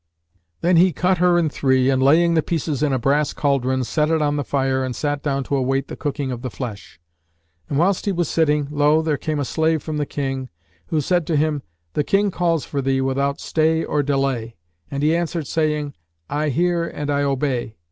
Then he cut her in three and, laying the pieces in a brass cauldron, set it on the fire and sat down to await the cooking of the flesh. And whilst he was sitting, lo! there came a slave from the King, who said to him, "The King calls for thee without stay or delay," and he answered saying, "I hear and I obey."